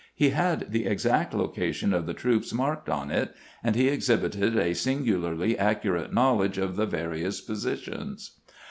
He had the exact location of the troops marked on it, and he exhibited a singularly accurate knowledge of the various positions.